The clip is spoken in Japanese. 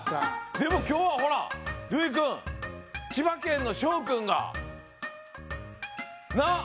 でもきょうはほらるいくんちばけんのしょうくんがなっ？